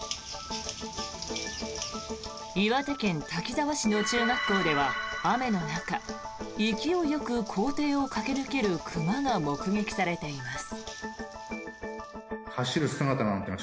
岩手県滝沢市の中学校では雨の中勢いよく校庭を駆け抜ける熊が目撃されています。